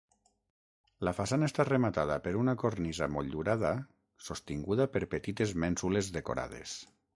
La façana està rematada per una cornisa motllurada sostinguda per petites mènsules decorades.